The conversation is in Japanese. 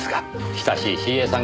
親しいＣＡさん？